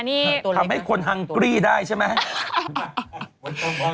นี่ทำให้คนฮังกรี้ได้ใช่ไหม